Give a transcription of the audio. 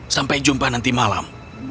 sampai jumpa nanti malam